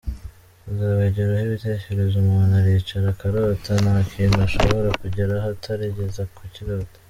kuzabigeraho, ibitekerezo umuntu aricara akarota, nta kintu ushobora kugeraho utarigeze ukirota.